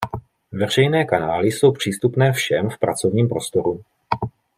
Veřejné kanály jsou přístupné všem v pracovním prostoru.